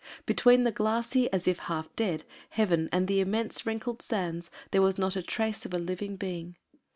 Between the glassy, as if half dead, heaven and the immense, wrinkled sands there was not a trace of a living being.